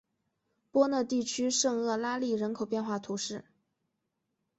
波讷地区圣厄拉利人口变化图示